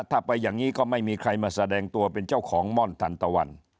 ถ้าไปอย่างนี้ก็ไม่มีใครมาแสดงตัวเป็นเจ้าของม่อนทันตะวัน